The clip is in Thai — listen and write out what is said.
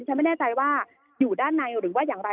ฉันไม่แน่ใจว่าอยู่ด้านในหรือว่าอย่างไร